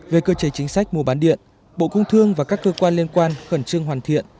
về cơ chế chính sách mua bán điện bộ công thương và các cơ quan liên quan khẩn trương hoàn thiện